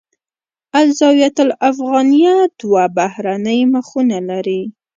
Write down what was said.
الزاویة الافغانیه دوه بهرنۍ مخونه لري.